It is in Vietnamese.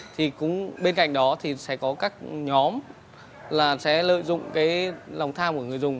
thì bên cạnh đó sẽ có các nhóm sẽ lợi dụng lòng tham của người dùng